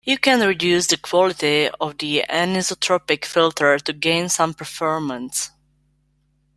You can reduce the quality of the anisotropic filter to gain some performance.